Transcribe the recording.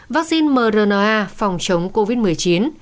vaccine mrna phòng chống covid một mươi chín